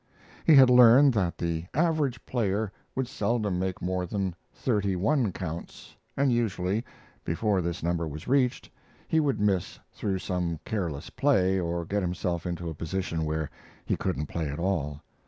He had learned that the average player would seldom make more than thirty one counts, and usually, before this number was reached, he would miss through some careless play or get himself into a position where he couldn't play at all.